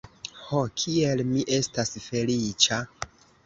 Ho, kiel mi estas feliĉa!